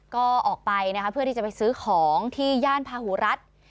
ก็ออกไปนะคะเพื่อที่จะไปซื้อของที่ย่านพาหูรัฐ